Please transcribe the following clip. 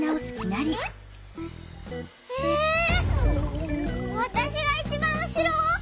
えわたしがいちばんうしろ？